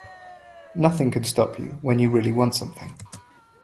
Nothing can stop you when you really want something.